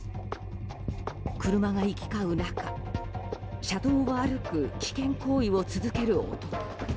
車が行き交う中、車道を歩く危険行為を続ける男。